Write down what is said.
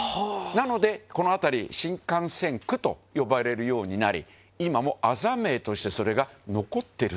覆里この辺り新幹線区と呼ばれるようになり字名としてそれが残っていると。